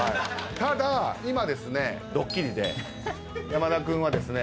ただ今ですねドッキリで山田君はですね